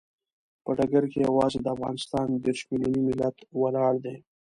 په ډګر کې یوازې د افغانستان دیرش ملیوني ملت ولاړ دی.